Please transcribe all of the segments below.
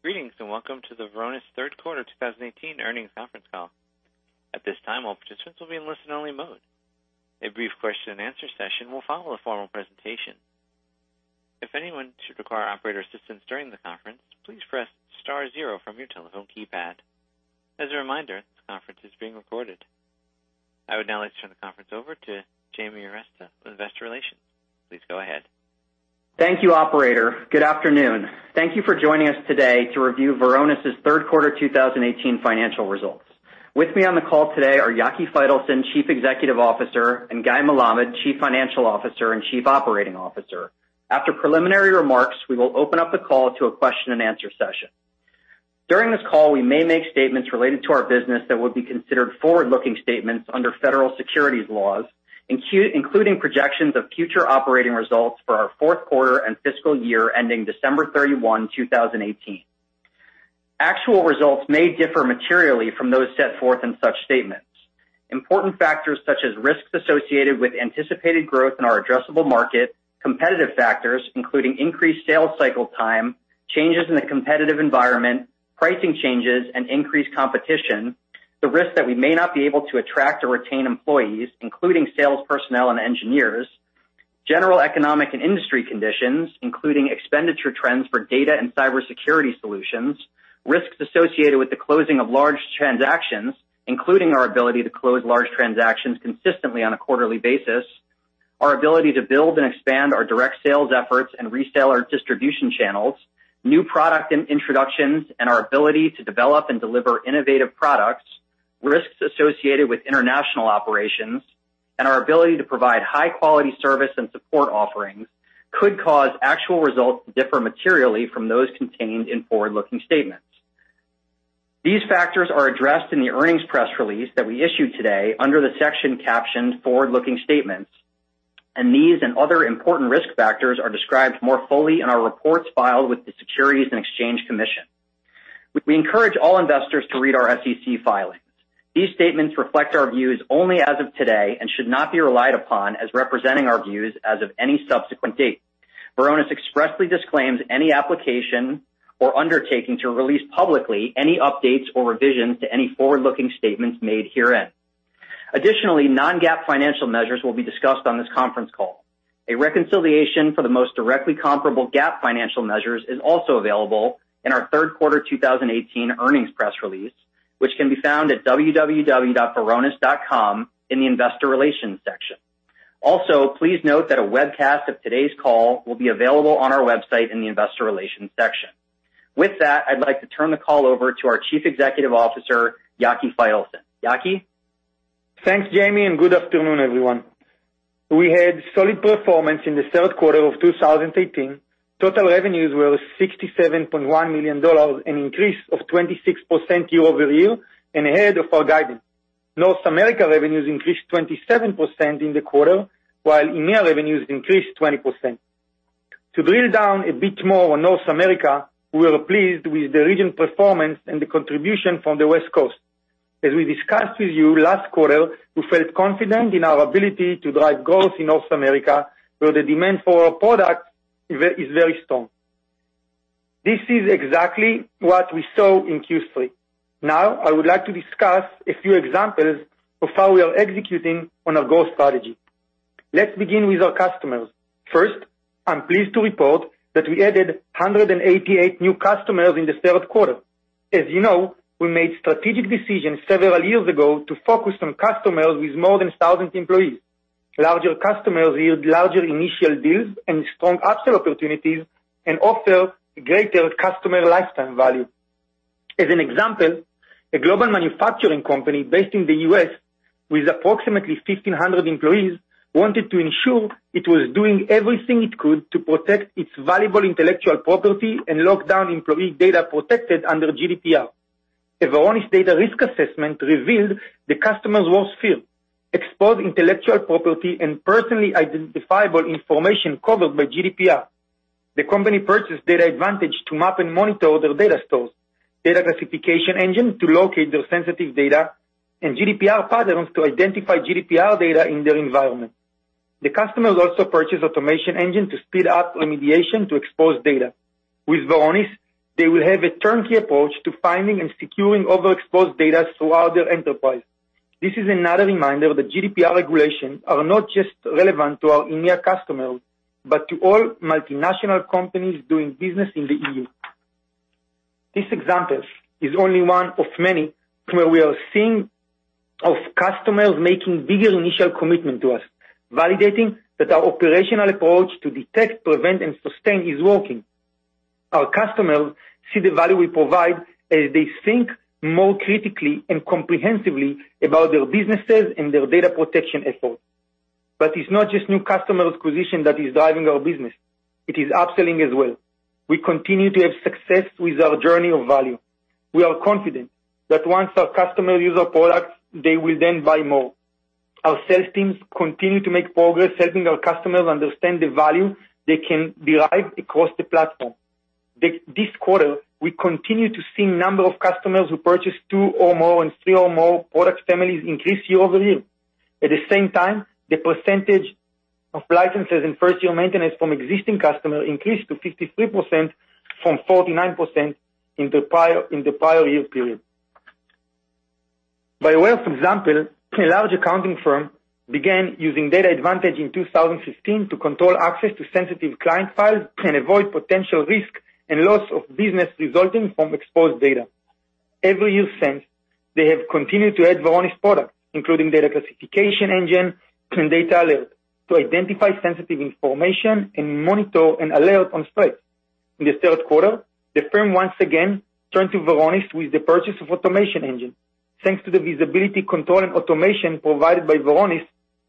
Greetings, welcome to the Varonis third quarter 2018 earnings conference call. At this time, all participants will be in listen only mode. A brief question and answer session will follow the formal presentation. If anyone should require operator assistance during the conference, please press star zero from your telephone keypad. As a reminder, this conference is being recorded. I would now like to turn the conference over to Jamie Arestia, Investor Relations. Please go ahead. Thank you, operator. Good afternoon. Thank you for joining us today to review Varonis' third quarter 2018 financial results. With me on the call today are Yaki Faitelson, Chief Executive Officer, and Guy Melamed, Chief Financial Officer and Chief Operating Officer. After preliminary remarks, we will open up the call to a question and answer session. During this call, we may make statements related to our business that would be considered forward-looking statements under Federal Securities laws, including projections of future operating results for our fourth quarter and fiscal year ending December 31, 2018. Actual results may differ materially from those set forth in such statements. Important factors such as risks associated with anticipated growth in our addressable market, competitive factors, including increased sales cycle time, changes in the competitive environment, pricing changes, and increased competition, the risk that we may not be able to attract or retain employees, including sales personnel and engineers, general economic and industry conditions, including expenditure trends for data and cybersecurity solutions, risks associated with the closing of large transactions, including our ability to close large transactions consistently on a quarterly basis, our ability to build and expand our direct sales efforts and reseller distribution channels, new product introductions, and our ability to develop and deliver innovative products, risks associated with international operations, and our ability to provide high-quality service and support offerings could cause actual results to differ materially from those contained in forward-looking statements. These factors are addressed in the earnings press release that we issued today under the section captioned Forward Looking Statements, these and other important risk factors are described more fully in our reports filed with the Securities and Exchange Commission. We encourage all investors to read our SEC filings. These statements reflect our views only as of today and should not be relied upon as representing our views as of any subsequent date. Varonis expressly disclaims any application or undertaking to release publicly any updates or revisions to any forward-looking statements made herein. Additionally, non-GAAP financial measures will be discussed on this conference call. A reconciliation for the most directly comparable GAAP financial measures is also available in our third quarter 2018 earnings press release, which can be found at www.varonis.com in the investor relations section. Please note that a webcast of today's call will be available on our website in the investor relations section. With that, I'd like to turn the call over to our Chief Executive Officer, Yaki Faitelson. Yaki. Thanks, Jamie. Good afternoon, everyone. We had solid performance in the third quarter of 2018. Total revenues were $67.1 million, an increase of 26% year-over-year and ahead of our guidance. North America revenues increased 27% in the quarter, while EMEA revenues increased 20%. To drill down a bit more on North America, we were pleased with the region performance and the contribution from the West Coast. As we discussed with you last quarter, we felt confident in our ability to drive growth in North America, where the demand for our products is very strong. This is exactly what we saw in Q3. I would like to discuss a few examples of how we are executing on our growth strategy. Let's begin with our customers. I'm pleased to report that we added 188 new customers in the third quarter. As you know, we made strategic decisions several years ago to focus on customers with more than 1,000 employees. Larger customers yield larger initial deals and strong upsell opportunities and offer greater customer lifetime value. As an example, a global manufacturing company based in the U.S. with approximately 1,500 employees wanted to ensure it was doing everything it could to protect its valuable intellectual property and lock down employee data protected under GDPR. A Varonis data risk assessment revealed the customer's worst fear, exposed intellectual property and personally identifiable information covered by GDPR. The company purchased DatAdvantage to map and monitor their data stores, Data Classification Engine to locate their sensitive data, and Varonis GDPR Patterns to identify GDPR data in their environment. The customers also purchased Automation Engine to speed up remediation to expose data. With Varonis, they will have a turnkey approach to finding and securing overexposed data throughout their enterprise. This is another reminder that GDPR regulations are not just relevant to our EMEA customers, but to all multinational companies doing business in the EU. This example is only one of many where we are seeing of customers making bigger initial commitment to us, validating that our operational approach to detect, prevent, and sustain is working. Our customers see the value we provide as they think more critically and comprehensively about their businesses and their data protection efforts. It's not just new customer acquisition that is driving our business. It is upselling as well. We continue to have success with our journey of value. We are confident that once our customers use our products, they will then buy more. Our sales teams continue to make progress helping our customers understand the value they can derive across the platform. This quarter, we continue to see number of customers who purchase 2 or more and 3 or more product families increase year-over-year. At the same time, the percentage of licenses and first-year maintenance from existing customer increased to 53% from 49% in the prior year period. By way of example, a large accounting firm began using DatAdvantage in 2016 to control access to sensitive client files and avoid potential risk and loss of business resulting from exposed data. Every year since, they have continued to add Varonis products, including Data Classification Engine and DatAlert to identify sensitive information and monitor and alert on threats. In the third quarter, the firm once again turned to Varonis with the purchase of Automation Engine. Thanks to the visibility control and automation provided by Varonis,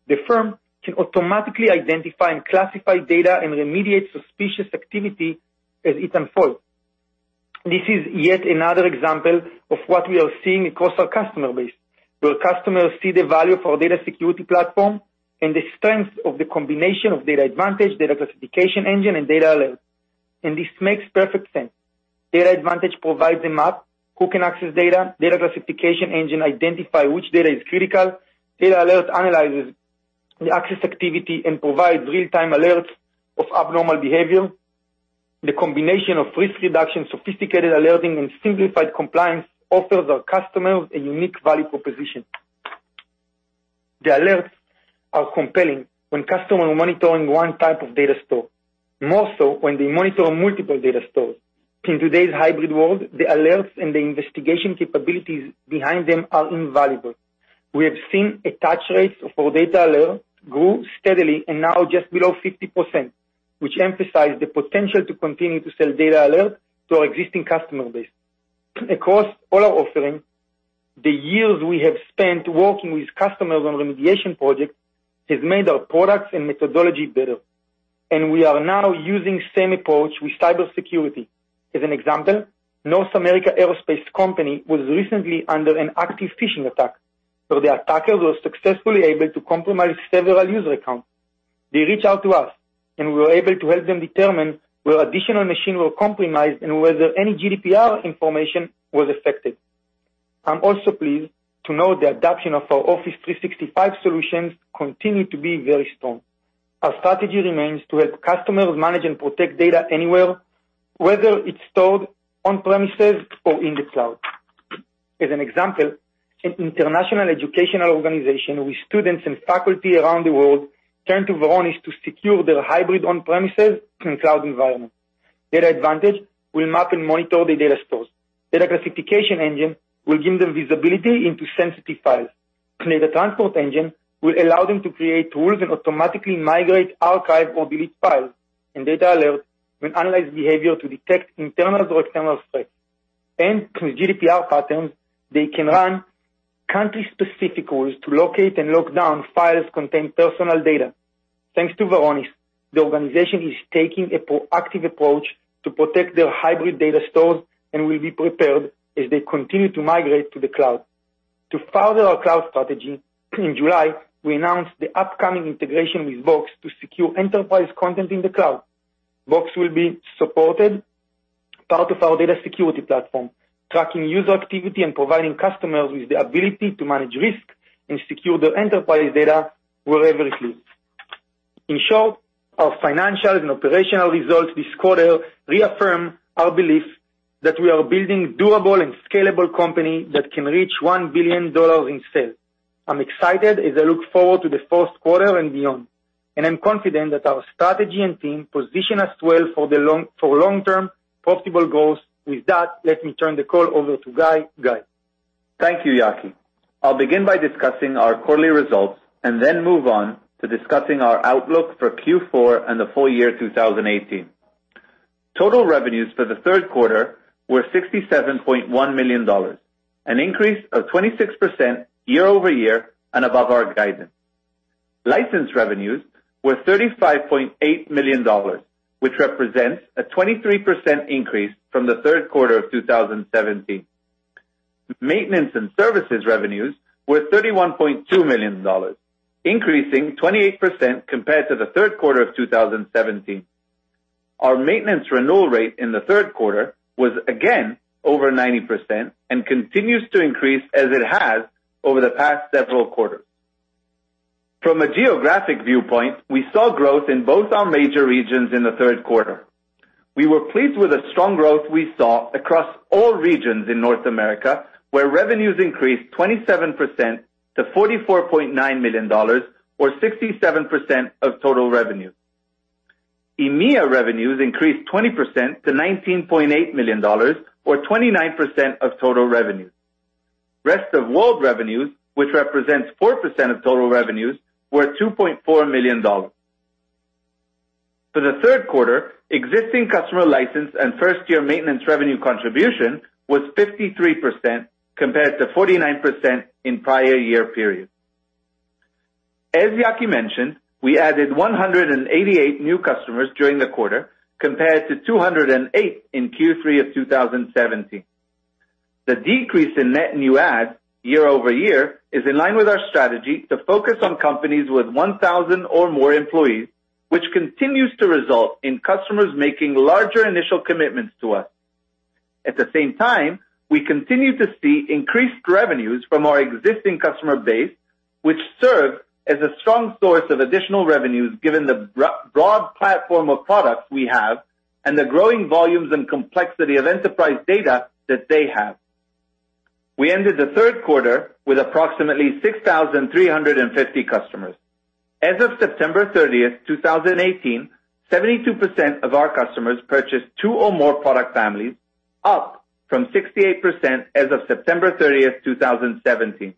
the firm can automatically identify and classify data and remediate suspicious activity as it unfolds. This is yet another example of what we are seeing across our customer base, where customers see the value of our Data Security Platform and the strength of the combination of DatAdvantage, Data Classification Engine, and DatAlert. This makes perfect sense. DatAdvantage provides a map, who can access data. Data Classification Engine identify which data is critical. DatAlert analyzes the access activity and provides real-time alerts of abnormal behavior. The combination of risk reduction, sophisticated alerting, and simplified compliance offers our customers a unique value proposition. The alerts are compelling when customers are monitoring 1 type of data store, more so when they monitor multiple data stores. In today's hybrid world, the alerts and the investigation capabilities behind them are invaluable. We have seen attach rates for DatAlert grow steadily and now are just below 50%, which emphasize the potential to continue to sell DatAlert to our existing customer base. Across all our offerings, the years we have spent working with customers on remediation projects has made our products and methodology better, and we are now using same approach with cybersecurity. As an example, North America Aerospace Company was recently under an active phishing attack, where the attackers were successfully able to compromise several user accounts. They reached out to us, and we were able to help them determine where additional machines were compromised and whether any GDPR information was affected. I'm also pleased to note the adoption of our Office 365 solutions continue to be very strong. Our strategy remains to help customers manage and protect data anywhere, whether it's stored on-premises or in the cloud. As an example, an international educational organization with students and faculty around the world turned to Varonis to secure their hybrid on-premises and cloud environment. DatAdvantage will map and monitor the data stores. Data Classification Engine will give them visibility into sensitive files. Data Transport Engine will allow them to create rules and automatically migrate, archive, or delete files. DatAlert will analyze behavior to detect internal or external threats. With GDPR Patterns, they can run country-specific rules to locate and lock down files containing personal data. Thanks to Varonis, the organization is taking a proactive approach to protect their hybrid data stores and will be prepared as they continue to migrate to the cloud. To further our cloud strategy, in July, we announced the upcoming integration with Box to secure enterprise content in the cloud. Box will be supported part of our Data Security Platform, tracking user activity and providing customers with the ability to manage risk and secure their enterprise data wherever it lives. In short, our financial and operational results this quarter reaffirm our belief that we are building durable and scalable company that can reach $1 billion in sales. I'm excited as I look forward to the fourth quarter and beyond, and I'm confident that our strategy and team position us well for long-term profitable goals. With that, let me turn the call over to Guy. Guy? Thank you, Yaki. I'll begin by discussing our quarterly results and then move on to discussing our outlook for Q4 and the full year 2018. Total revenues for the third quarter were $67.1 million, an increase of 26% year-over-year and above our guidance. License revenues were $35.8 million, which represents a 23% increase from the third quarter of 2017. Maintenance and services revenues were $31.2 million, increasing 28% compared to the third quarter of 2017. Our maintenance renewal rate in the third quarter was again over 90% and continues to increase as it has over the past several quarters. From a geographic viewpoint, we saw growth in both our major regions in the third quarter. We were pleased with the strong growth we saw across all regions in North America, where revenues increased 27% to $44.9 million or 67% of total revenue. EMEA revenues increased 20% to $19.8 million or 29% of total revenue. Rest of world revenues, which represents 4% of total revenues, were $2.4 million. For the third quarter, existing customer license and first-year maintenance revenue contribution was 53% compared to 49% in prior year period. As Yaki mentioned, we added 188 new customers during the quarter compared to 208 in Q3 of 2017. The decrease in net new adds year-over-year is in line with our strategy to focus on companies with 1,000 or more employees, which continues to result in customers making larger initial commitments to us. At the same time, we continue to see increased revenues from our existing customer base, which serves as a strong source of additional revenues given the broad platform of products we have and the growing volumes and complexity of enterprise data that they have. We ended the third quarter with approximately 6,350 customers. As of September 30th, 2018, 72% of our customers purchased two or more product families, up from 68% as of September 30th, 2017.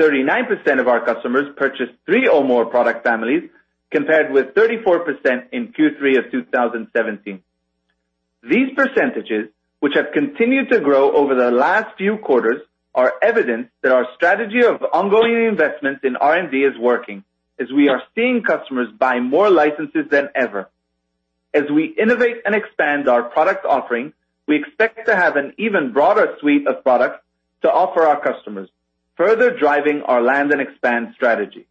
39% of our customers purchased three or more product families, compared with 34% in Q3 of 2017. These percentages, which have continued to grow over the last few quarters, are evidence that our strategy of ongoing investments in R&D is working as we are seeing customers buy more licenses than ever. As we innovate and expand our product offering, we expect to have an even broader suite of products to offer our customers, further driving our land and expand strategy.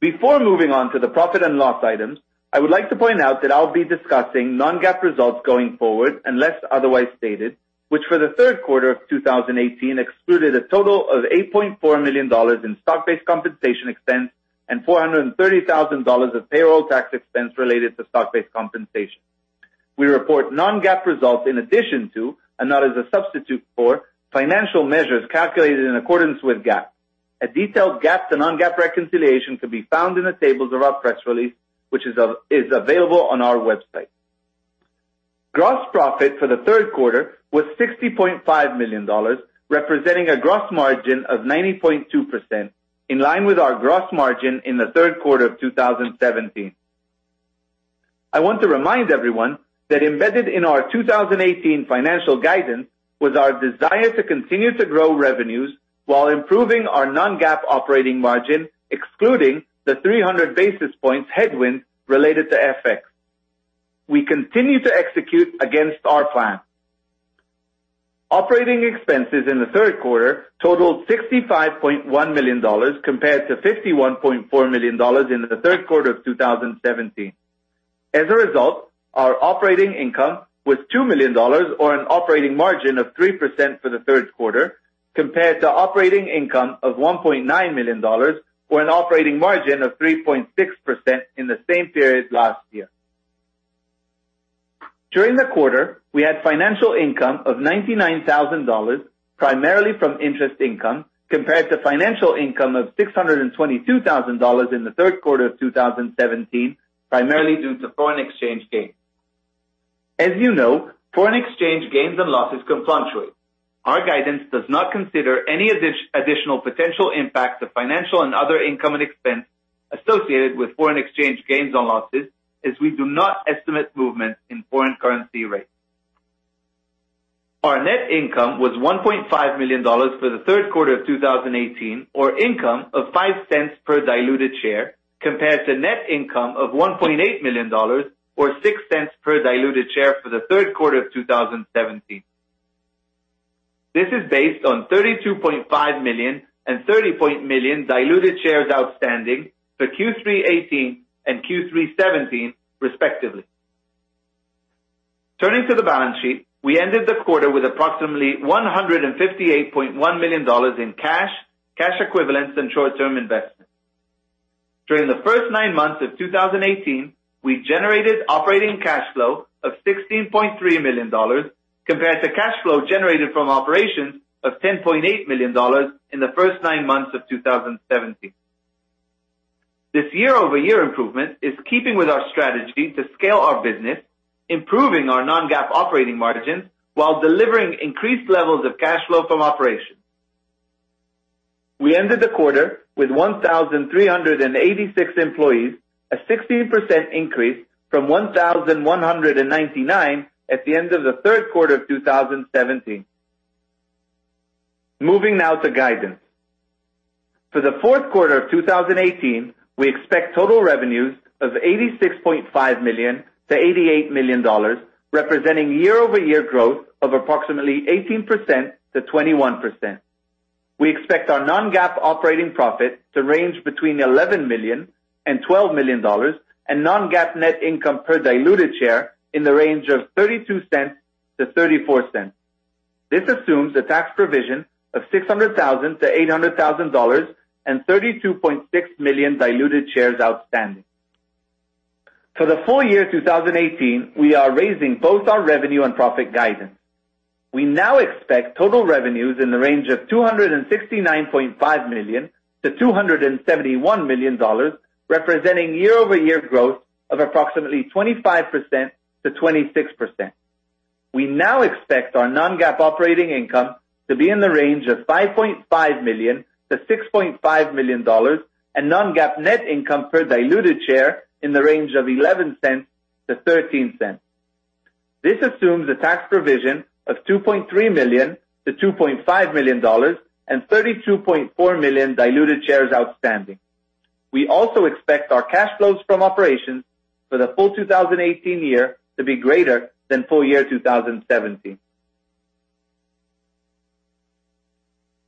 Before moving on to the profit and loss items, I would like to point out that I'll be discussing non-GAAP results going forward, unless otherwise stated, which for the third quarter of 2018 excluded a total of $8.4 million in stock-based compensation expense and $430,000 of payroll tax expense related to stock-based compensation. We report non-GAAP results in addition to, and not as a substitute for, financial measures calculated in accordance with GAAP. A detailed GAAP to non-GAAP reconciliation can be found in the tables of our press release, which is available on our website. Gross profit for the third quarter was $60.5 million, representing a gross margin of 90.2%, in line with our gross margin in the third quarter of 2017. I want to remind everyone that embedded in our 2018 financial guidance was our desire to continue to grow revenues while improving our non-GAAP operating margin, excluding the 300 basis points headwind related to FX. We continue to execute against our plan. Operating expenses in the third quarter totaled $65.1 million, compared to $51.4 million in the third quarter of 2017. As a result, our operating income was $2 million, or an operating margin of 3% for the third quarter, compared to operating income of $1.9 million, or an operating margin of 3.6% in the same period last year. During the quarter, we had financial income of $99,000, primarily from interest income, compared to financial income of $622,000 in the third quarter of 2017, primarily due to foreign exchange gains. As you know, foreign exchange gains and losses can fluctuate. Our guidance does not consider any additional potential impacts of financial and other income and expense associated with foreign exchange gains or losses, as we do not estimate movements in foreign currency rates. Our net income was $1.5 million for the third quarter of 2018, or income of $0.05 per diluted share, compared to net income of $1.8 million, or $0.06 per diluted share for the third quarter of 2017. This is based on 32.5 million and 30 million diluted shares outstanding for Q3 2018 and Q3 2017, respectively. Turning to the balance sheet, we ended the quarter with approximately $158.1 million in cash equivalents, and short-term investments. During the first nine months of 2018, we generated operating cash flow of $16.3 million, compared to cash flow generated from operations of $10.8 million in the first nine months of 2017. This year-over-year improvement is keeping with our strategy to scale our business, improving our non-GAAP operating margins while delivering increased levels of cash flow from operations. We ended the quarter with 1,386 employees, a 16% increase from 1,199 at the end of the third quarter of 2017. Moving now to guidance. For the fourth quarter of 2018, we expect total revenues of $86.5 million to $88 million, representing year-over-year growth of approximately 18%-21%. We expect our non-GAAP operating profit to range between $11 million and $12 million, and non-GAAP net income per diluted share in the range of $0.32-$0.34. This assumes a tax provision of $600,000-$800,000 and 32.6 million diluted shares outstanding. For the full year 2018, we are raising both our revenue and profit guidance. We now expect total revenues in the range of $269.5 million-$271 million, representing year-over-year growth of approximately 25%-26%. We now expect our non-GAAP operating income to be in the range of $5.5 million-$6.5 million, and non-GAAP net income per diluted share in the range of $0.11-$0.13. This assumes a tax provision of $2.3 million-$2.5 million and 32.4 million diluted shares outstanding. We also expect our cash flows from operations for the full 2018 year to be greater than full year 2017.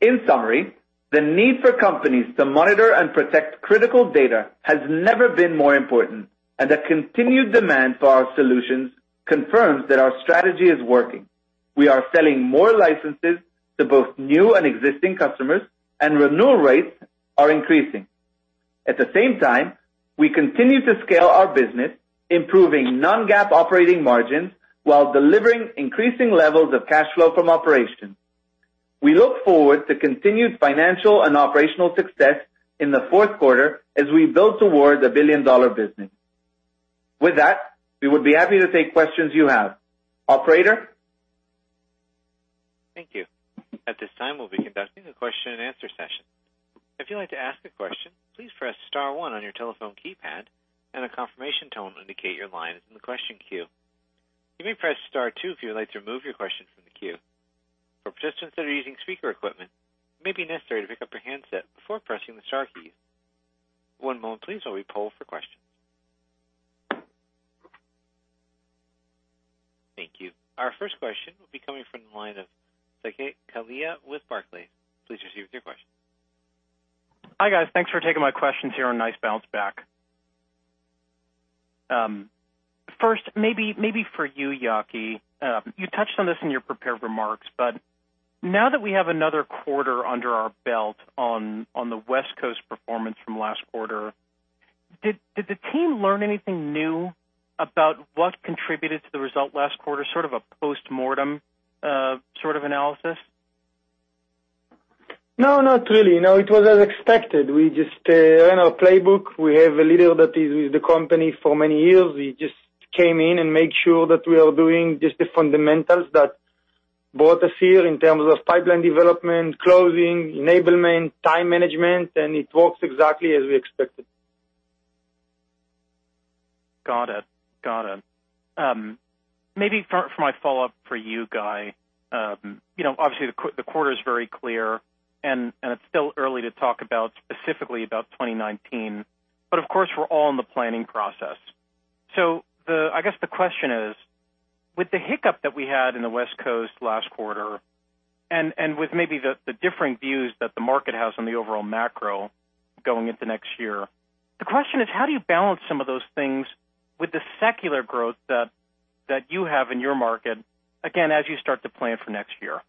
In summary, the need for companies to monitor and protect critical data has never been more important, and the continued demand for our solutions confirms that our strategy is working. We are selling more licenses to both new and existing customers, and renewal rates are increasing. At the same time, we continue to scale our business, improving non-GAAP operating margins while delivering increasing levels of cash flow from operations. We look forward to continued financial and operational success in the fourth quarter as we build towards a billion-dollar business. With that, we would be happy to take questions you have. Operator? Thank you. At this time, we'll be conducting a question and answer session. If you'd like to ask a question, please press star one on your telephone keypad, and a confirmation tone will indicate your line is in the question queue. You may press star two if you would like to remove your question from the queue. For participants that are using speaker equipment, it may be necessary to pick up your handset before pressing the star keys. One moment please while we poll for questions. Thank you. Our first question will be coming from the line of Saket Kalia with Barclays. Please proceed with your question. Hi, guys. Thanks for taking my questions here, and nice bounce back. First, maybe for you, Yaki. You touched on this in your prepared remarks, but now that we have another quarter under our belt on the West Coast performance from last quarter, did the team learn anything new about what contributed to the result last quarter, sort of a postmortem analysis? No, not really. No, it was as expected. We just ran our playbook. We have a leader that is with the company for many years. He just came in and made sure that we are doing just the fundamentals that brought us here in terms of pipeline development, closing, enablement, time management, and it works exactly as we expected. Got it. Maybe for my follow-up for you, Guy. Obviously, the quarter is very clear, and it's still early to talk specifically about 2019, but of course, we're all in the planning process. I guess the question is, with the hiccup that we had in the West Coast last quarter, and with maybe the differing views that the market has on the overall macro going into next year, the question is, how do you balance some of those things with the secular growth that you have in your market, again, as you start to plan for next year?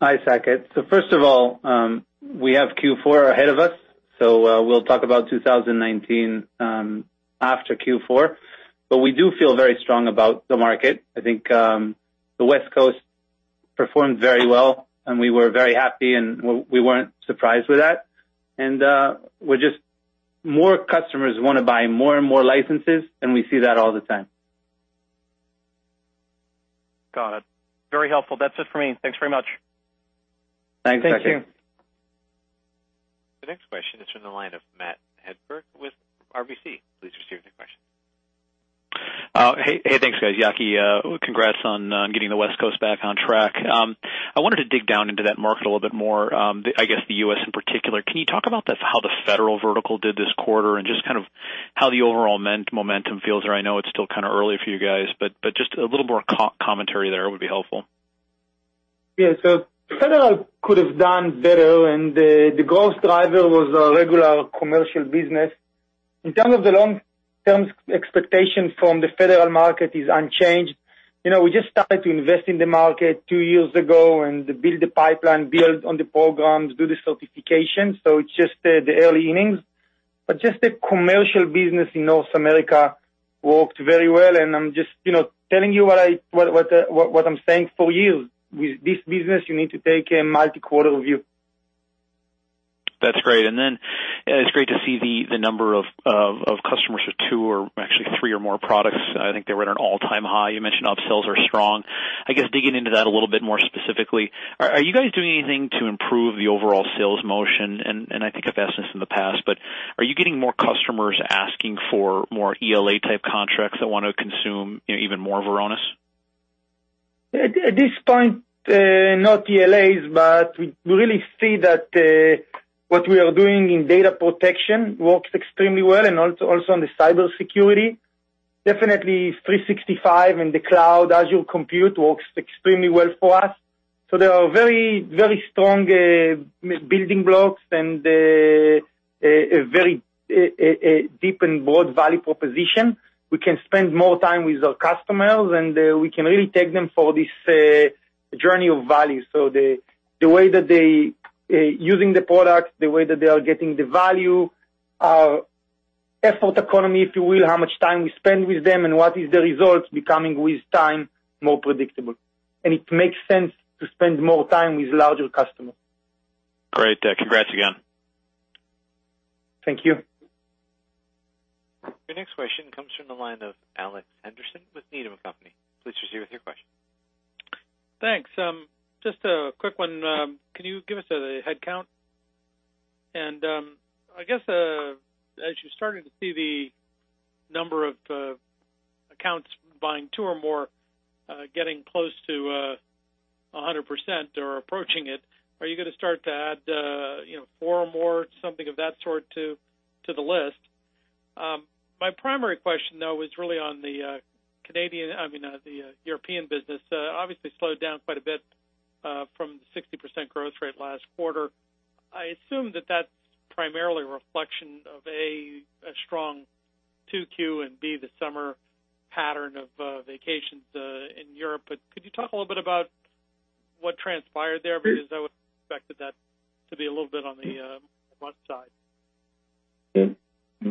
Hi, Saket. First of all, we have Q4 ahead of us, so we'll talk about 2019 after Q4. We do feel very strong about the market. I think, the West Coast performed very well, and we were very happy, and we weren't surprised with that. More customers want to buy more and more licenses, and we see that all the time. Got it. Very helpful. That's it for me. Thanks very much. Thanks, Saket. Thank you. The next question is from the line of Matt Hedberg with RBC. Please proceed with your question. Hey, thanks, guys. Yaki, congrats on getting the West Coast back on track. I wanted to dig down into that market a little bit more, I guess the U.S. in particular. Can you talk about how the federal vertical did this quarter and just how the overall momentum feels there? I know it's still early for you guys, but just a little more commentary there would be helpful. Yeah. Federal could have done better, and the growth driver was our regular commercial business. In terms of the long-term expectation from the federal market is unchanged. We just started to invest in the market two years ago and build the pipeline, build on the programs, do the certification. It's just the early innings. Just the commercial business in North America worked very well, and I'm just telling you what I'm saying for you. With this business, you need to take a multi-quarter view. That's great. Then it's great to see the number of customers with two or actually three or more products. I think they were at an all-time high. You mentioned upsells are strong. I guess, digging into that a little bit more specifically, are you guys doing anything to improve the overall sales motion? I think I've asked this in the past, but are you getting more customers asking for more ELA type contracts that want to consume even more Varonis? At this point, not ELAs, but we really see that what we are doing in data protection works extremely well and also on the cybersecurity. Definitely Office 365 and the cloud, Azure compute works extremely well for us. They are very strong building blocks and a very deep and broad value proposition. We can spend more time with our customers, we can really take them for this journey of value. The way that they're using the product, the way that they are getting the value, our effort economy, if you will, how much time we spend with them, and what is the results becoming, with time, more predictable. It makes sense to spend more time with larger customers. Great. Congrats again. Thank you. Your next question comes from the line of Alex Henderson with Needham & Company. Please proceed with your question. Thanks. Just a quick one. Can you give us a headcount? I guess, as you're starting to see the number of accounts buying two or more, getting close to 100% or approaching it. Are you going to start to add four or more, something of that sort, to the list? My primary question, though, is really on the European business. Obviously slowed down quite a bit from the 60% growth rate last quarter. I assume that that's primarily a reflection of, A, a strong 2Q, and B, the summer pattern of vacations in Europe. Could you talk a little bit about what transpired there? Because I would expect that to be a little bit on the front side.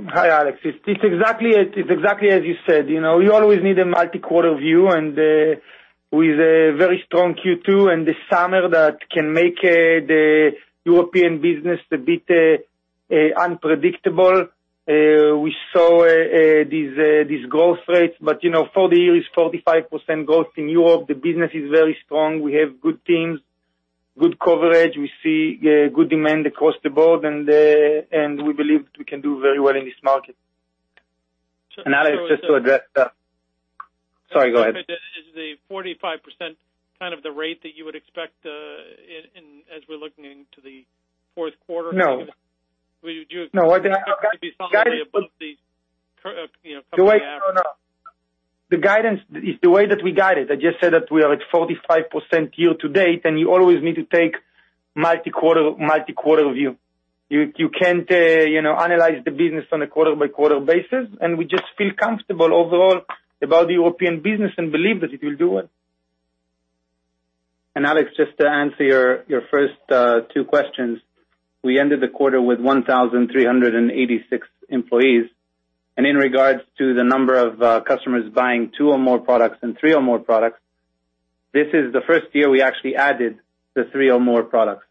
Hi, Alex. It's exactly as you said. We always need a multi-quarter view, with a very strong Q2 and the summer that can make the European business a bit unpredictable, we saw these growth rates. For the year, it's 45% growth in Europe. The business is very strong. We have good teams, good coverage. We see good demand across the board, we believe we can do very well in this market. Alex, just to address Sorry, go ahead. Is the 45% kind of the rate that you would expect as we're looking into the fourth quarter? No. Would you expect it to be something above the company average? No. The way that we guide it, I just said that we are at 45% year to date. You always need to take multi-quarter view. You can't analyze the business on a quarter-by-quarter basis. We just feel comfortable overall about the European business and believe that it will do well. Alex, just to answer your first two questions, we ended the quarter with 1,386 employees. In regards to the number of customers buying two or more products and three or more products, this is the first year we actually added the three or more products.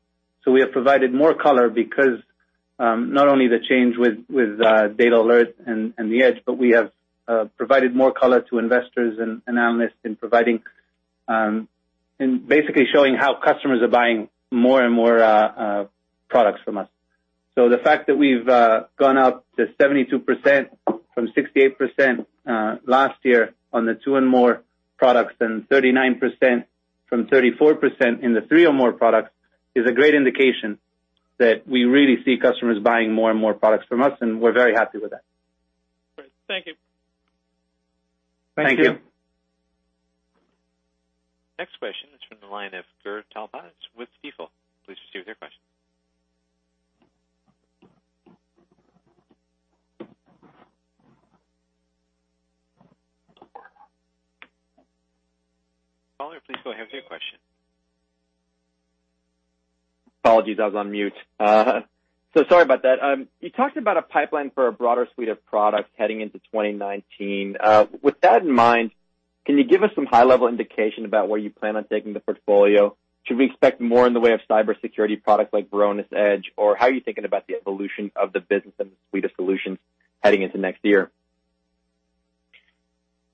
We have provided more color because not only the change with DatAlert and the Edge but we have provided more color to investors and analysts in basically showing how customers are buying more and more products from us. The fact that we've gone up to 72% from 68% last year on the two and more products, and 39% from 34% in the three or more products, is a great indication that we really see customers buying more and more products from us, and we're very happy with that. Great. Thank you. Thank you. Thank you. Next question is from the line of Gur Talpaz with Stifel. Please proceed with your question. Caller, please go ahead with your question. Apologies, I was on mute. Sorry about that. You talked about a pipeline for a broader suite of products heading into 2019. With that in mind, can you give us some high-level indication about where you plan on taking the portfolio? Should we expect more in the way of cybersecurity products like Varonis Edge? How are you thinking about the evolution of the business and the suite of solutions heading into next year?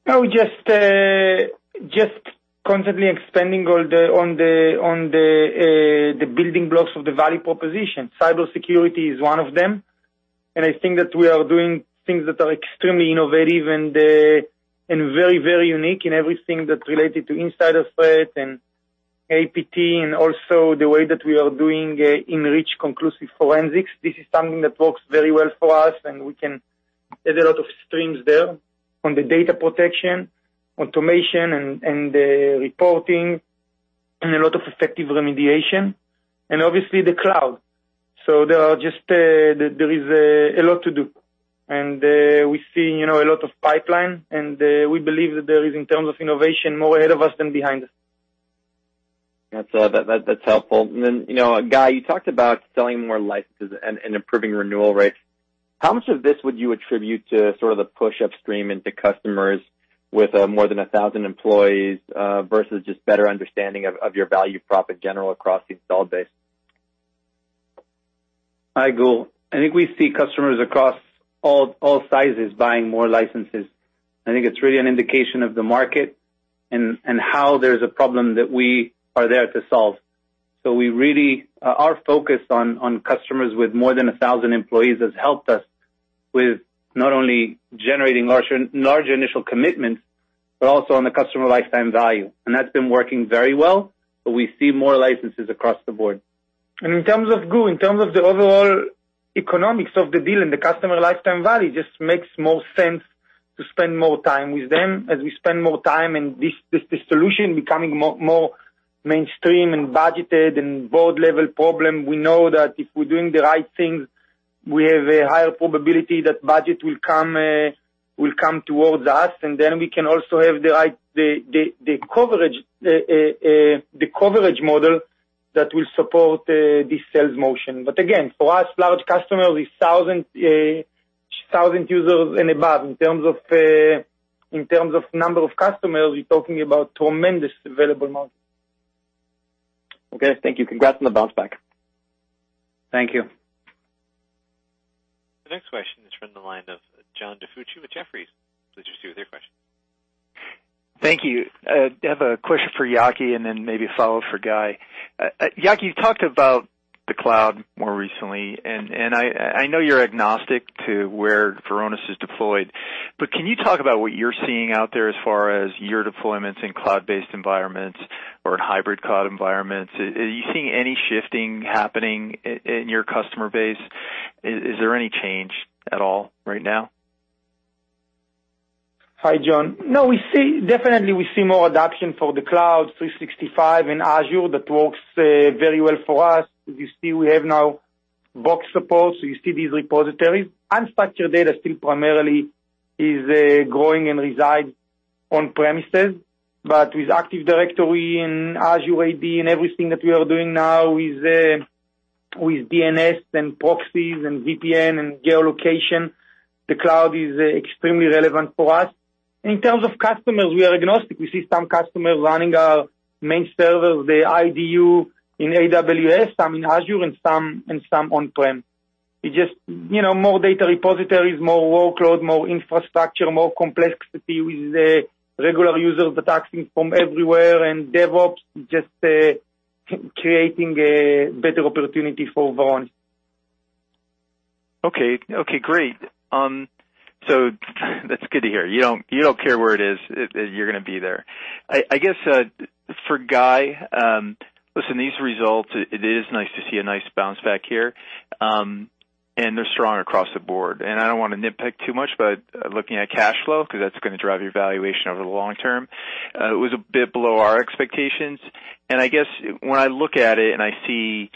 Just constantly expanding on the building blocks of the value proposition. Cybersecurity is one of them, I think that we are doing things that are extremely innovative and very unique in everything that's related to insider threat and APT, also the way that we are doing in-reach conclusive forensics. This is something that works very well for us, there's a lot of streams there on the data protection, automation, and the reporting, and a lot of effective remediation. Obviously, the cloud. There is a lot to do. We see a lot of pipeline, we believe that there is, in terms of innovation, more ahead of us than behind us. That's helpful. Then, Guy, you talked about selling more licenses and improving renewal rates. How much of this would you attribute to sort of the push upstream into customers with more than 1,000 employees, versus just better understanding of your value prop in general across the install base? Hi, Gur. I think we see customers across all sizes buying more licenses. I think it's really an indication of the market and how there's a problem that we are there to solve. Our focus on customers with more than 1,000 employees has helped us with not only generating larger initial commitments, but also on the customer lifetime value. That's been working very well, we see more licenses across the board. In terms of, Gur, in terms of the overall economics of the deal and the customer lifetime value, just makes more sense to spend more time with them. We spend more time, and this solution becoming more mainstream and budgeted and board-level problem, we know that if we're doing the right things, we have a higher probability that budget will come towards us, and then we can also have the right coverage model that will support the sales motion. Again, for us, large customers is 1,000 users and above. In terms of number of customers, we're talking about tremendous available market. Okay. Thank you. Congrats on the bounce back. Thank you. The next question is from the line of John DiFucci with Jefferies. Please proceed with your question. Thank you. I have a question for Yaki, and then maybe a follow-up for Guy. Yaki, you talked about the cloud more recently, and I know you're agnostic to where Varonis is deployed, but can you talk about what you're seeing out there as far as your deployments in cloud-based environments or hybrid cloud environments? Are you seeing any shifting happening in your customer base? Is there any change at all right now? Hi, John. No, definitely, we see more adoption for Office 365 and Azure. That works very well for us. As you see, we have now Box support, so you see these repositories. Unstructured data still primarily is growing and resides on premises. With Active Directory and Azure AD and everything that we are doing now with DNS and proxies and VPN and geolocation, the cloud is extremely relevant for us. In terms of customers, we are agnostic. We see some customers running our main servers, the IDU in AWS, some in Azure, and some on-prem. It's just more data repositories, more workload, more infrastructure, more complexity with regular users attacking from everywhere, and DevOps just creating better opportunity for Varonis. Okay, great. That's good to hear. You don't care where it is, you're going to be there. I guess, for Guy, listen, these results, it is nice to see a nice bounce back here. They're strong across the board. I don't want to nitpick too much, but looking at cash flow, because that's going to drive your valuation over the long term. It was a bit below our expectations, and I guess when I look at it and I see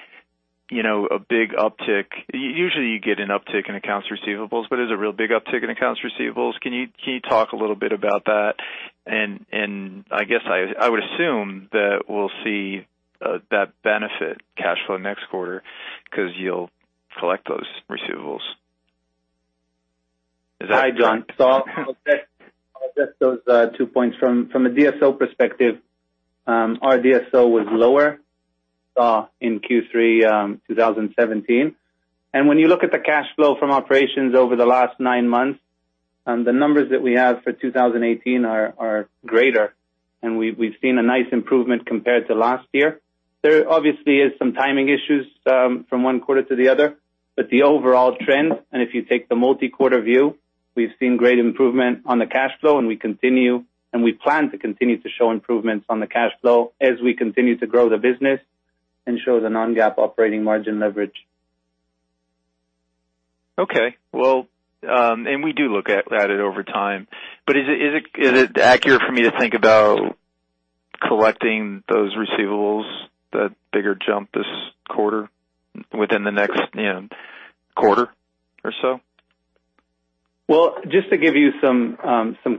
a big uptick, usually you get an uptick in accounts receivables, but there's a real big uptick in accounts receivables. Can you talk a little bit about that? I guess I would assume that we'll see that benefit cash flow next quarter because you'll collect those receivables. Is that? Hi, John. I'll address those two points. From a DSO perspective, our DSO was lower in Q3 2017. When you look at the cash flow from operations over the last nine months, the numbers that we have for 2018 are greater, and we've seen a nice improvement compared to last year. There obviously is some timing issues from one quarter to the other, but the overall trend, and if you take the multi-quarter view, we've seen great improvement on the cash flow, and we plan to continue to show improvements on the cash flow as we continue to grow the business and show the non-GAAP operating margin leverage. Well, we do look at it over time, is it accurate for me to think about collecting those receivables, the bigger jump this quarter within the next quarter or so? Well, just to give you some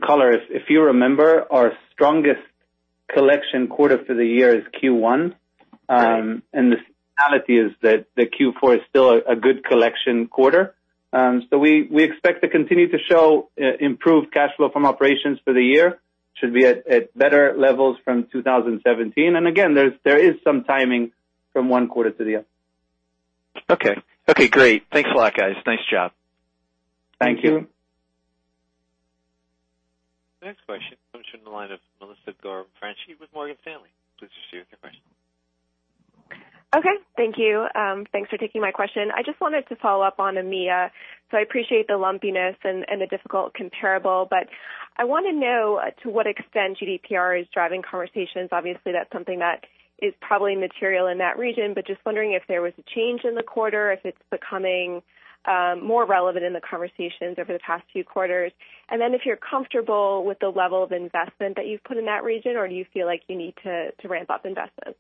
color, if you remember, our strongest collection quarter for the year is Q1. Right. The seasonality is that the Q4 is still a good collection quarter. We expect to continue to show improved cash flow from operations for the year. Should be at better levels from 2017. Again, there is some timing from one quarter to the other. Okay. Okay, great. Thanks a lot, guys. Nice job. Thank you. Thank you. Next question comes from the line of Melissa Gorham Franchi with Morgan Stanley. Please proceed with your question. Okay. Thank you. Thanks for taking my question. I just wanted to follow up on EMEA. I appreciate the lumpiness and the difficult comparable, but I want to know to what extent GDPR is driving conversations. Obviously, that's something that is probably material in that region, but just wondering if there was a change in the quarter, if it's becoming more relevant in the conversations over the past few quarters. If you're comfortable with the level of investment that you've put in that region, or do you feel like you need to ramp up investment?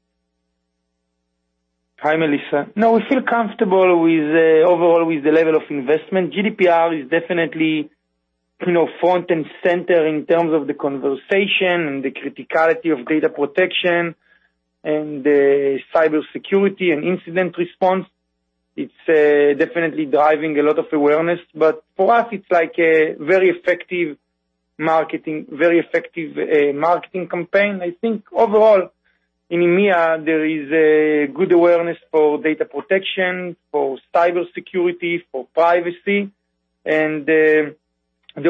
Hi, Melissa. No, we feel comfortable overall with the level of investment. GDPR is definitely front and center in terms of the conversation and the criticality of data protection and cybersecurity and incident response. It's definitely driving a lot of awareness, but for us, it's like a very effective marketing campaign. I think overall in EMEA, there is a good awareness for data protection, for cybersecurity, for privacy. The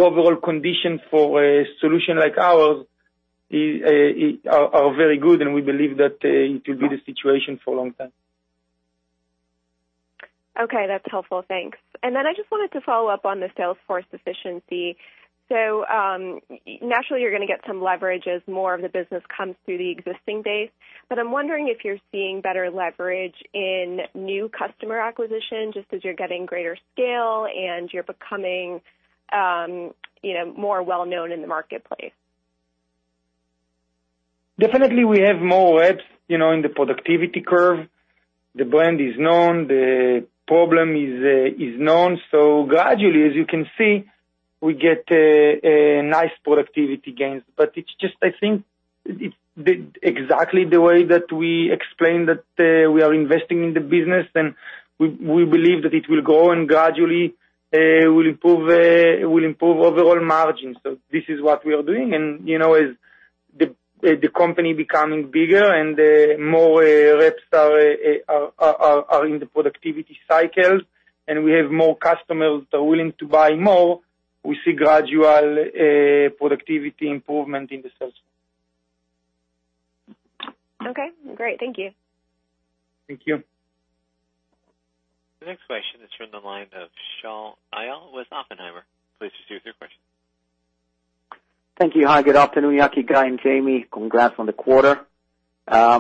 overall condition for a solution like ours are very good, and we believe that it will be the situation for a long time. Okay, that's helpful. Thanks. I just wanted to follow up on the sales force efficiency. Naturally you're going to get some leverage as more of the business comes through the existing base, but I'm wondering if you're seeing better leverage in new customer acquisition just as you're getting greater scale and you're becoming more well-known in the marketplace. Definitely, we have more reps in the productivity curve. The brand is known, the problem is known. Gradually, as you can see, we get nice productivity gains. It's just, I think, exactly the way that we explain that we are investing in the business, and we believe that it will grow and gradually will improve overall margins. This is what we are doing. As the company becoming bigger and more reps are in the productivity cycles, and we have more customers that are willing to buy more. We see gradual productivity improvement in the sales. Okay, great. Thank you. Thank you. The next question is from the line of Shaul Eyal with Oppenheimer. Please proceed with your question. Thank you. Hi, good afternoon, Yaki, Guy, and Jamie. Congrats on the quarter. Thank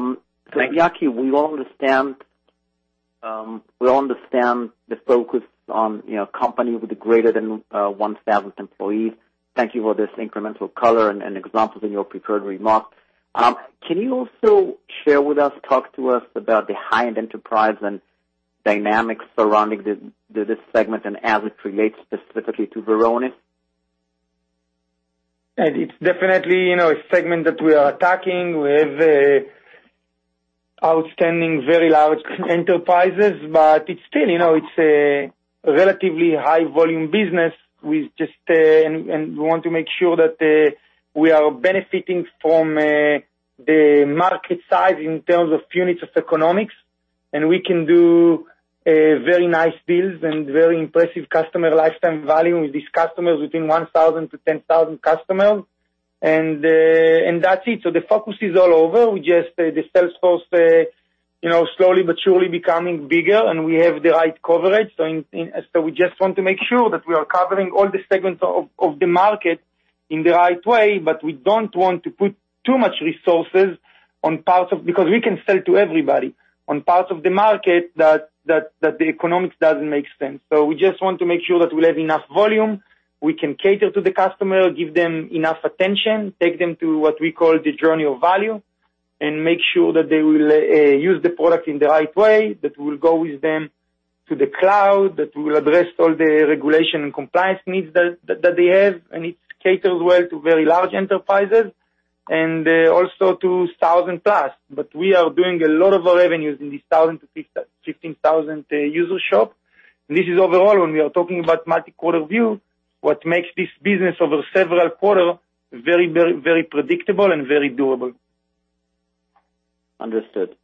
you. Yaki, we all understand the focus on company with greater than 1,000 employees. Thank you for this incremental color and examples in your prepared remarks. Can you also share with us, talk to us about the high-end enterprise and dynamics surrounding this segment and as it relates specifically to Varonis? It's definitely a segment that we are attacking. We have outstanding, very large enterprises, but it's still a relatively high-volume business. We want to make sure that we are benefiting from the market size in terms of units of economics, and we can do very nice deals and very impressive customer lifetime value with these customers within 1,000 to 10,000 customers. That's it. The focus is all over. The sales force, slowly but surely becoming bigger, and we have the right coverage. We just want to make sure that we are covering all the segments of the market in the right way, but we don't want to put too much resources, because we can sell to everybody, on parts of the market that the economics doesn't make sense. We just want to make sure that we have enough volume, we can cater to the customer, give them enough attention, take them to what we call the journey of value, and make sure that they will use the product in the right way, that we'll go with them to the cloud, that we'll address all the regulation and compliance needs that they have, and it caters well to very large enterprises, and also to 1,000 plus. We are doing a lot of our revenues in this 1,000 to 15,000 user shop. This is overall, when we are talking about multi-quarter view, what makes this business over several quarter very predictable and very doable. Understood.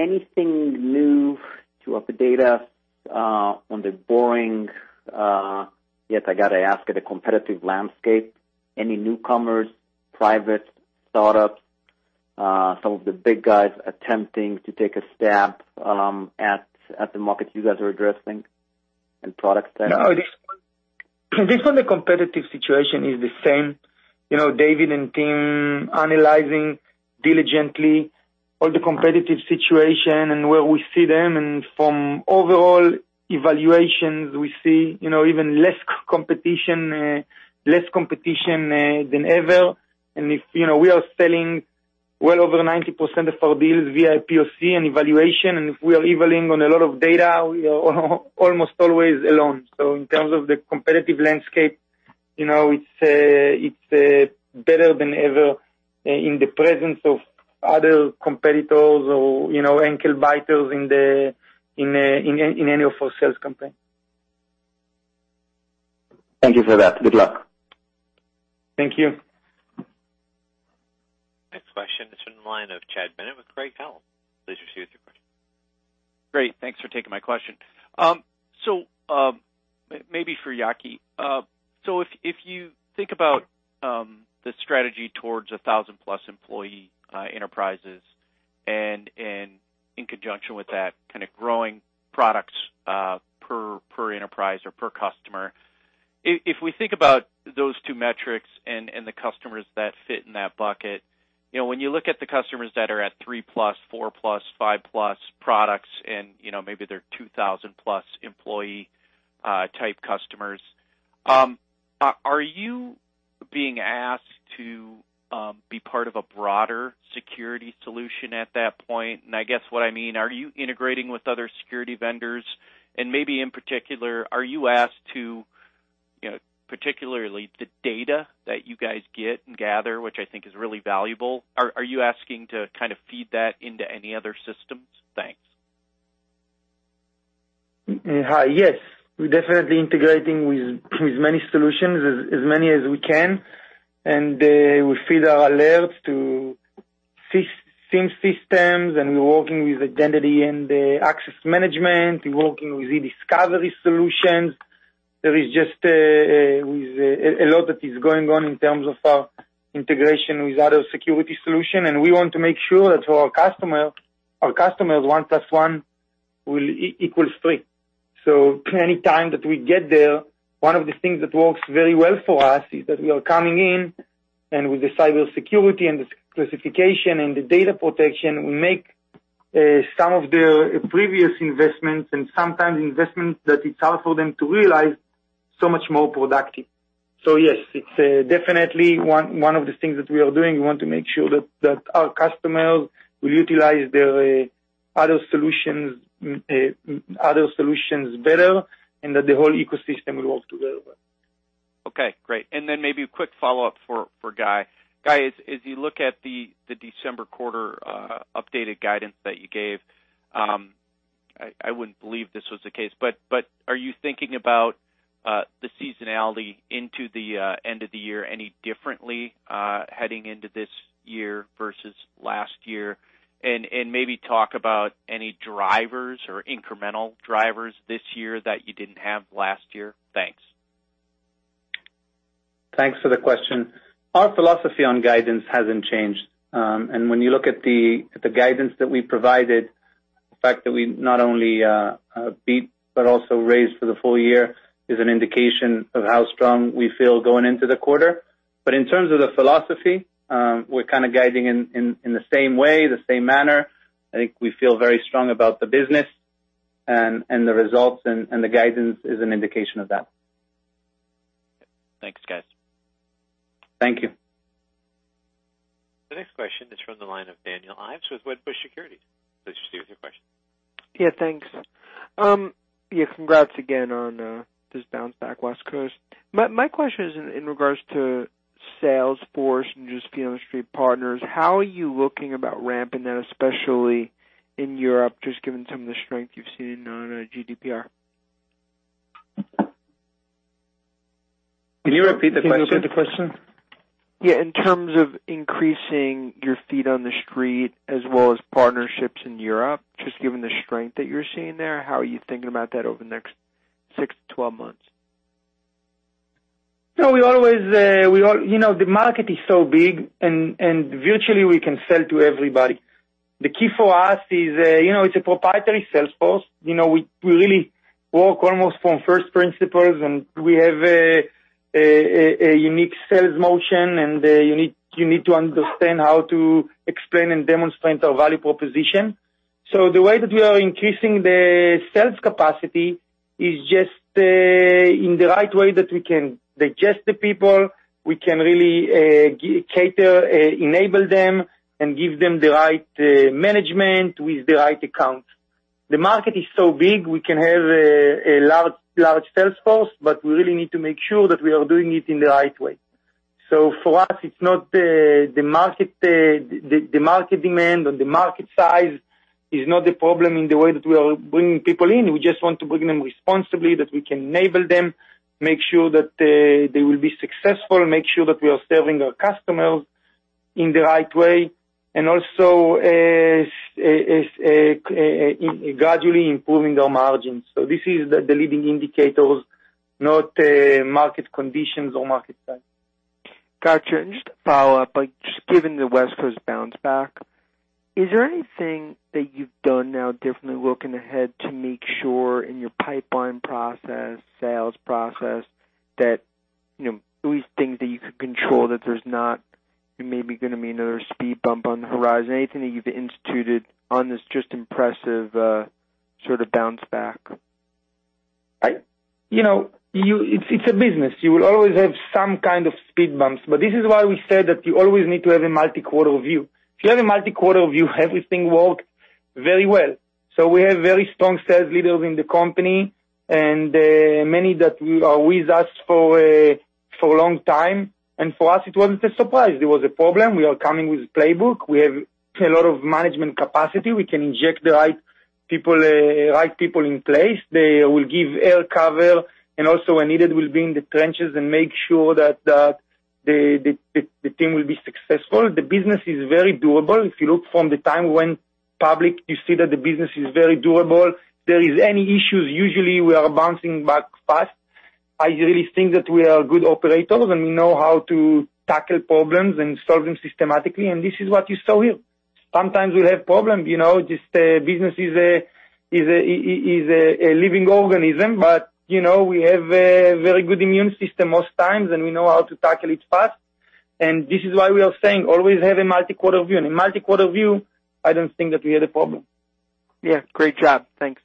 Anything new to update us on the boring, yet I got to ask it, competitive landscape? Any newcomers, private startups, some of the big guys attempting to take a stab at the market you guys are addressing and product stack? No. This one, the competitive situation is the same. David and team analyzing diligently all the competitive situation and where we see them. From overall evaluations, we see even less competition than ever. We are selling well over 90% of our deals via POC and evaluation, and if we are evaluating on a lot of data, we are almost always alone. In terms of the competitive landscape, it's better than ever in the presence of other competitors or ankle biters in any of our sales company. Thank you for that. Good luck. Thank you. Next question is from the line of Chad Bennett with Craig-Hallum. Please proceed with your question. Great. Thanks for taking my question. Maybe for Yaki, if you think about the strategy towards 1,000-plus employee enterprises and in conjunction with that kind of growing products per enterprise or per customer, if we think about those two metrics and the customers that fit in that bucket, when you look at the customers that are at three-plus, four-plus, five-plus products and maybe they're 2,000-plus employee type customers, are you being asked to be part of a broader security solution at that point? I guess what I mean, are you integrating with other security vendors and maybe in particular, are you asked to, particularly the data that you guys get and gather, which I think is really valuable, are you asking to kind of feed that into any other systems? Thanks. Hi. Yes. We're definitely integrating with as many solutions, as many as we can. We feed our alerts to SIEM systems. We're working with identity and access management. We're working with e-discovery solutions. There is just a lot that is going on in terms of our integration with other security solution. We want to make sure that for our customers, one plus one will equal three. Any time that we get there, one of the things that works very well for us is that we are coming in and with the cybersecurity and the classification and the data protection, we make some of their previous investments and sometimes investments that it's hard for them to realize, so much more productive. Yes, it's definitely one of the things that we are doing. We want to make sure that our customers will utilize their other solutions better and that the whole ecosystem will work together well. Okay, great. Maybe a quick follow-up for Guy. Guy, as you look at the December quarter updated guidance that you gave, I wouldn't believe this was the case, are you thinking about the seasonality into the end of the year any differently heading into this year versus last year? Maybe talk about any drivers or incremental drivers this year that you didn't have last year. Thanks. Thanks for the question. Our philosophy on guidance hasn't changed. When you look at the guidance that we provided, the fact that we not only beat but also raised for the full year is an indication of how strong we feel going into the quarter. In terms of the philosophy, we're kind of guiding in the same way, the same manner. I think we feel very strong about the business and the results, and the guidance is an indication of that. Thanks, guys. Thank you. The next question is from the line of Daniel Ives with Wedbush Securities. Please proceed with your question. Yeah, thanks. Yeah, congrats again on this bounce back West Coast. My question is in regards to sales force and just feet-on-the-street partners. How are you looking about ramping that, especially in Europe, just given some of the strength you've seen on GDPR? Can you repeat the question? Yeah. In terms of increasing your feet-on-the-street as well as partnerships in Europe, just given the strength that you're seeing there, how are you thinking about that over the next 6 to 12 months? The market is so big, virtually we can sell to everybody. The key for us is, it's a proprietary sales force. We really work almost from first principles, we have a unique sales motion, you need to understand how to explain and demonstrate our value proposition. The way that we are increasing the sales capacity is just in the right way that we can digest the people, we can really cater, enable them, and give them the right management with the right account. The market is so big, we can have a large sales force, we really need to make sure that we are doing it in the right way. For us, the market demand or the market size is not the problem in the way that we are bringing people in. We just want to bring them responsibly, that we can enable them, make sure that they will be successful, make sure that we are serving our customers in the right way, and also gradually improving our margins. This is the leading indicators, not market conditions or market size. Gotcha, just a follow-up. Just given the West Coast bounce back, is there anything that you've done now differently looking ahead to make sure in your pipeline process, sales process, at least things that you could control, that there's not maybe going to be another speed bump on the horizon? Anything that you've instituted on this just impressive sort of bounce back? It's a business. You will always have some kind of speed bumps, this is why we said that you always need to have a multi-quarter view. If you have a multi-quarter view, everything work very well. We have very strong sales leaders in the company and many that are with us for a long time. For us, it wasn't a surprise. There was a problem. We are coming with playbook. We have a lot of management capacity. We can inject the right people in place. They will give air cover and also when needed, will be in the trenches and make sure that the team will be successful. The business is very doable. If you look from the time we went public, you see that the business is very doable. There is any issues, usually we are bouncing back fast. I really think that we are good operators, we know how to tackle problems and solve them systematically, and this is what you saw here. Sometimes we'll have problems. This business is a living organism, we have a very good immune system most times, and we know how to tackle it fast. This is why we are saying always have a multi-quarter view. In multi-quarter view, I don't think that we had a problem. Yeah. Great job. Thanks.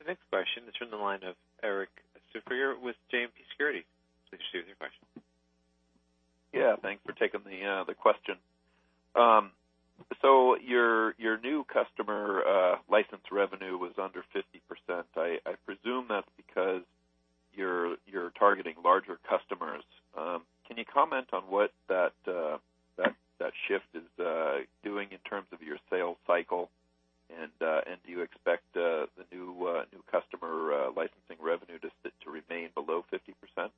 The next question is from the line of Erik Suppiger with JMP Securities. Please proceed with your question. Yeah. Thanks for taking the question. Your new customer license revenue was under 50%. I presume that's because you're targeting larger customers. Can you comment on what that shift is doing in terms of your sales cycle? Do you expect the new customer licensing revenue to remain below 50%?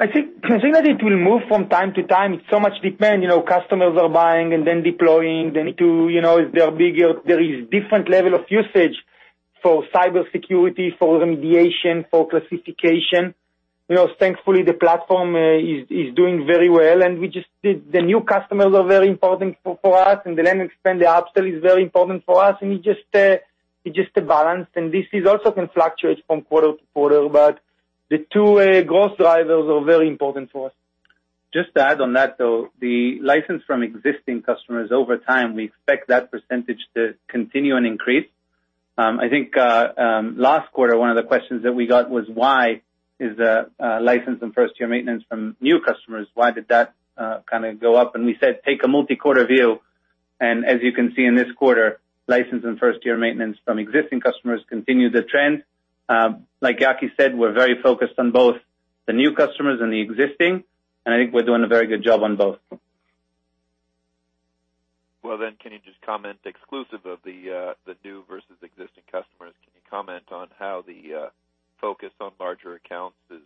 I think that it will move from time to time. It so much depends, customers are buying and then deploying. There is different level of usage for cybersecurity, for remediation, for classification. Thankfully, the platform is doing very well, and the new customers are very important for us, and then expand the upsell is very important for us, and it's just a balance. This is also can fluctuate from quarter to quarter, but the two growth drivers are very important for us. Just to add on that, though, the license from existing customers over time, we expect that percentage to continue and increase. I think, last quarter, one of the questions that we got was, why is the license and first-year maintenance from new customers, why did that kind of go up? We said, take a multi-quarter view. As you can see in this quarter, license and first-year maintenance from existing customers continue the trend. Like Yaki said, we're very focused on both the new customers and the existing, and I think we're doing a very good job on both. Can you just comment exclusive of the new versus existing customers? Can you comment on how the focus on larger accounts is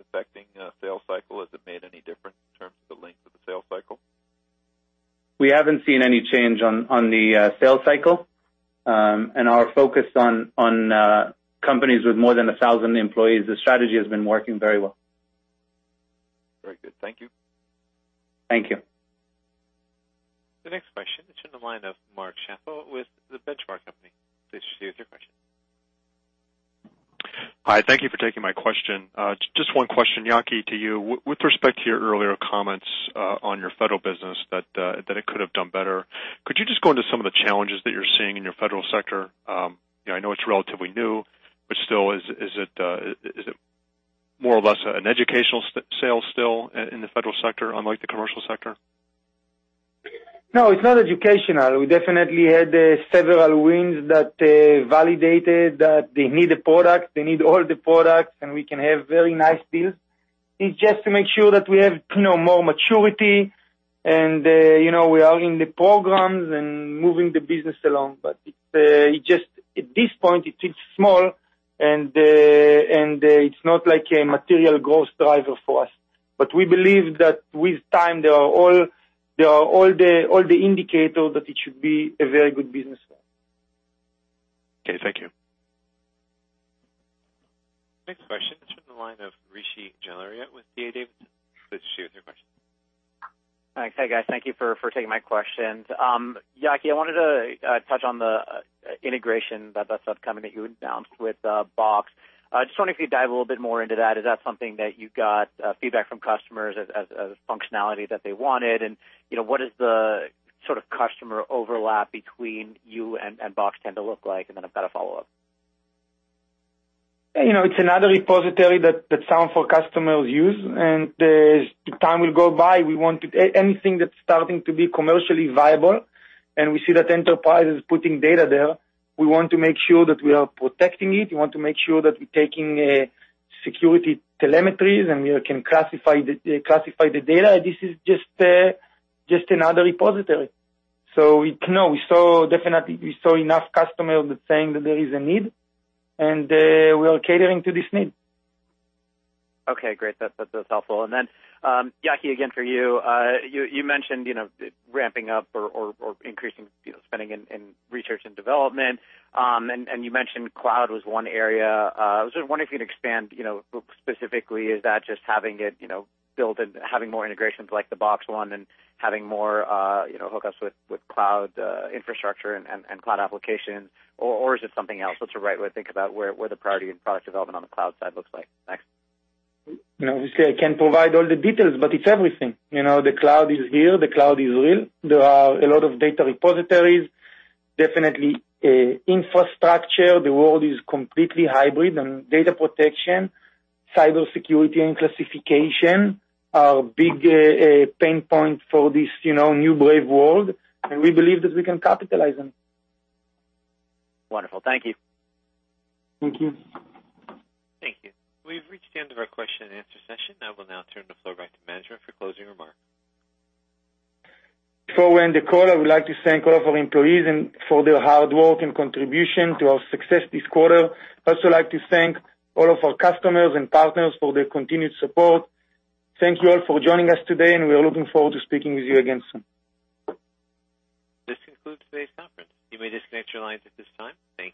affecting sales cycle? Has it made any difference in terms of the length of the sales cycle? We haven't seen any change on the sales cycle, our focus on companies with more than 1,000 employees, the strategy has been working very well. Very good. Thank you. Thank you. The next question is from the line of Mark Schappel with The Benchmark Company. Please proceed with your question. Hi. Thank you for taking my question. Just one question, Yaki, to you. With respect to your earlier comments on your federal business that it could have done better, could you just go into some of the challenges that you're seeing in your federal sector? I know it's relatively new, but still, is it more or less an educational sale still in the federal sector unlike the commercial sector? No, it's not educational. We definitely had several wins that validated that they need the product, they need all the products, and we can have very nice deals. It's just to make sure that we have more maturity and we are in the programs and moving the business along. At this point, it's small and it's not like a material growth driver for us. We believe that with time, there are all the indicators that it should be a very good business. Okay, thank you. Next question is from the line of Rishi Jaluria with D.A. Davidson. Please share with your question. Thanks. Hey, guys. Thank you for taking my questions. Yaki, I wanted to touch on the integration that that's upcoming that you announced with Box. Just wondering if you could dive a little bit more into that. Is that something that you got feedback from customers as functionality that they wanted, and what is the sort of customer overlap between you and Box tend to look like? I've got a follow-up. It's another repository that some of our customers use, and as time will go by, anything that's starting to be commercially viable, and we see that enterprise is putting data there, we want to make sure that we are protecting it. We want to make sure that we're taking security telemetries, and we can classify the data. This is just another repository. No, we saw enough customers saying that there is a need, and we are catering to this need. Okay, great. That's helpful. Yaki, again for you mentioned ramping up or increasing spending in research and development. You mentioned cloud was one area. I was just wondering if you could expand, specifically, is that just having it built and having more integrations like the Box one and having more hookups with cloud infrastructure and cloud applications, or is it something else? What's the right way to think about where the priority in product development on the cloud side looks like? Thanks. Obviously, I can't provide all the details, but it's everything. The cloud is here. The cloud is real. There are a lot of data repositories, definitely infrastructure. The world is completely hybrid, and data protection, cybersecurity, and classification are big pain points for this new brave world, and we believe that we can capitalize on it. Wonderful. Thank you. Thank you. Thank you. We've reached the end of our question and answer session. I will now turn the floor back to management for closing remarks. Before we end the call, I would like to thank all of our employees for their hard work and contribution to our success this quarter. I'd also like to thank all of our customers and partners for their continued support. Thank you all for joining us today, and we are looking forward to speaking with you again soon. This concludes today's conference. You may disconnect your lines at this time. Thank you.